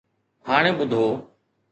هاڻي ٻڌو.